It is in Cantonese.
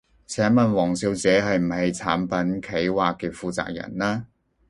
請問王小姐係唔係產品企劃嘅負責人呢？